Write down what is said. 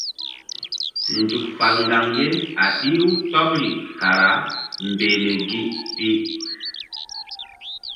Nzuk fal ŋgaŋ ye a ɗih-u tɔɓri kara mbehle gi pi.